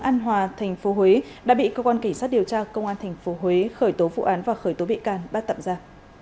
an hòa tp huế đã bị cơ quan kỳ sát điều tra công an tp huế khởi tố vụ án và khởi tố bị can bắt tậm ra